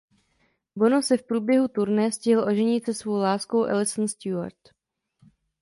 Bono se v průběhu turné stihl oženit se svou láskou Alison Stewart.